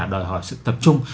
đòi hỏi sự tập trung